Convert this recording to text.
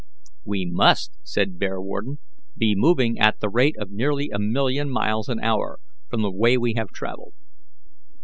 "We must," said Bearwarden, "be moving at the rate of nearly a million miles an hour, from the way we have travelled."